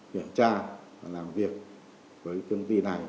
kiểm tra và làm việc với công ty này